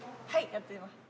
やってます。